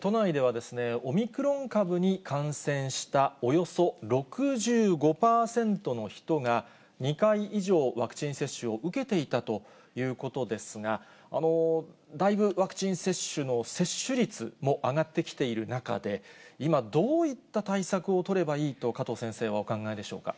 都内ではですね、オミクロン株に感染したおよそ６５％の人が、２回以上ワクチン接種を受けていたということですが、だいぶワクチン接種の接種率も上がってきている中で、今、どういった対策を取ればいいと、加藤先生はお考えでしょうか？